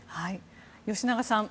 吉永さん